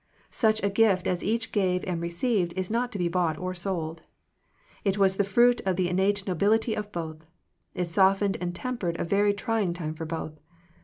Such a gift as each gave and received is not to be bought or sold. It was the fruit of the innate nobility of both: it softened and tempered a very trying time for both.